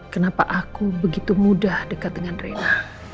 kenapa aku begitu mudah dekat dengan rena